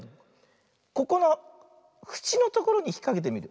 ここのふちのところにひっかけてみる。